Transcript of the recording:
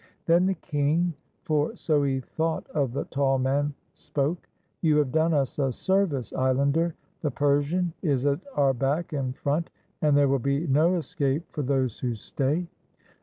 Then the king, for so he thought of the tall man, spoke :— "You have done us a service, islander. The Persian is at our back and front, and there will be no escape for those who stay.